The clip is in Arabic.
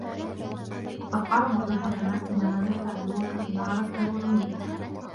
وَقَدْ قَالَ بَعْضُ الْحُكَمَاءِ إذَا مَازَحْت عَدُوَّك ظَهَرَتْ لَهُ عُيُوبُك